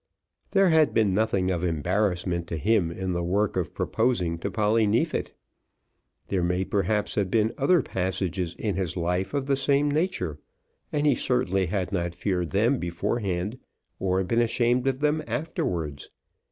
There had been nothing of embarrassment to him in the work of proposing to Polly Neefit. There may perhaps have been other passages in his life of the same nature, and he certainly had not feared them beforehand or been ashamed of them afterwards.